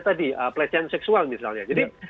tadi pelecehan seksual misalnya jadi